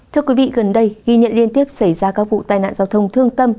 thưa quý vị gần đây ghi nhận liên tiếp xảy ra các vụ tai nạn giao thông thương tâm